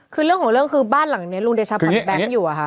คือเรื่องของเรื่องคือบ้านหลังนี้ลุงเดชาผับแบงค์อยู่อะค่ะ